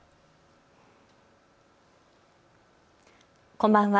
こんばんは。